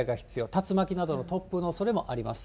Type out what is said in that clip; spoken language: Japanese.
竜巻などの突風のおそれもあります。